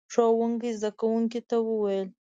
ښوونکي زده کوونکو ته وويل: